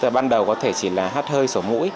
ban đầu có thể chỉ là hát hơi sổ mũi